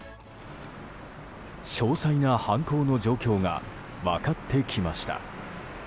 詳細な犯行の状況が分かってきました。